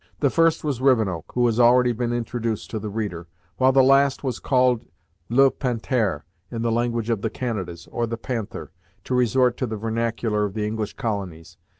The first was Rivenoak, who has already been introduced to the reader, while the last was called le Panth'ere, in the language of the Canadas, or the Panther, to resort to the vernacular of the English colonies.